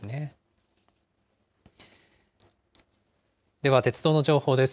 では鉄道の情報です。